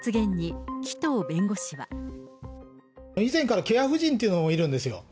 以前から、ケア婦人というのがいるんですよ。